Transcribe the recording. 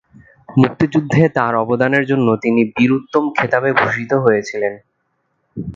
মুক্তিযুদ্ধের তার অবদানের জন্য তিনি বীর উত্তম খেতাবে ভূষিত হয়েছিলেন।